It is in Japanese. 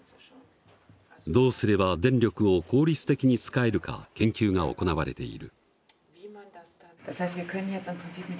どうすれば電力を効率的に使えるか研究が行われている。